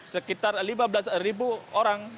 sekitar lima belas ribu orang